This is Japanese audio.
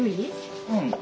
うん。